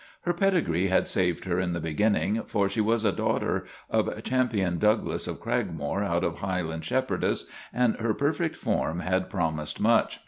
Her pedigree had saved her in the beginning, for she was a daughter of Ch. Douglas of Cragmore out of Highland Shepherdess, and her perfect form had promised much.